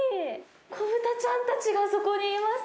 子豚ちゃんたちがあそこにいます。